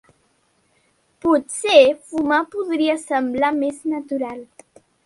Potser fumar podria semblar més natural.